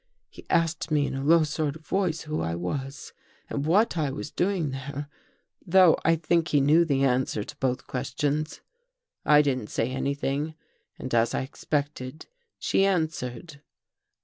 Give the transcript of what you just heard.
He asked me in a low sort of voice who I was and what I was doing there, though I think he knew the answer to both questions. I didn't say anything and as I expected, she answered.